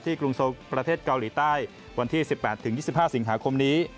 กรุงโซประเทศเกาหลีใต้วันที่๑๘๒๕สิงหาคมนี้